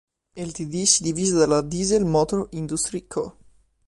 Ltd si divise dalla Diesel Motor Industry Co.